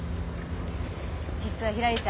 実はひらりちゃん